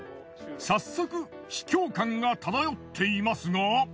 早速秘境感が漂っていますが。